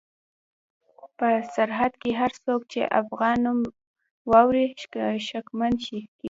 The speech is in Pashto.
په سرحد کې هر څوک چې د افغان نوم واوري شکمن کېږي.